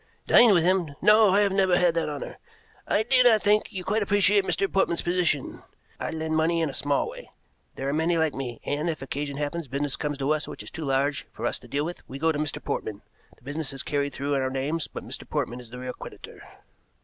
"Dine with him? No, I have never had that honor. I do not think you quite appreciate Mr. Portman's position. I lend money in a small way, there are many like me, and if, as occasionally happens, business comes to us which is too large for us to deal with, we go to Mr. Portman. The business is carried through in our names, but Mr. Portman is the real creditor."